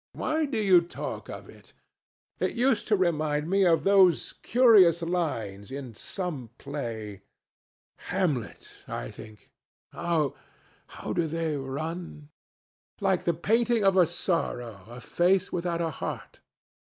Why do you talk of it? It used to remind me of those curious lines in some play—Hamlet, I think—how do they run?— "Like the painting of a sorrow, A face without a heart."